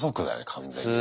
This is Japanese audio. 完全にね。